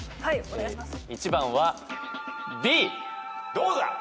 どうだ？